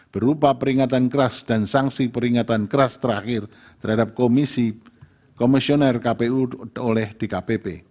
berupa peringatan keras dan sanksi peringatan keras terakhir terhadap komisioner kpu oleh dkpp